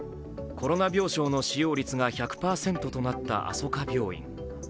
コロナ病床の使用率が１００％となった、あそか病院。